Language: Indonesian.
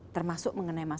termasuk mengenai masalah isu